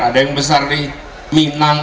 ada yang besar di minang